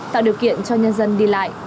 tạo điều kiện cho nhân dân đi lại